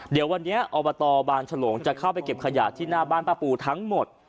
เดี๋ยววันนี้อบตบางฉลงจะเข้าไปเก็บขยะที่หน้าบ้านป้าปูทั้งหมด